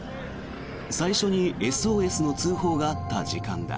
最初にＳＯＳの通報があった時間だ。